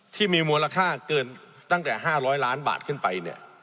ที่มีมูลค่าเกินตั้งแต่๕๐๐ล้านบาทขึ้นไปเนี่ย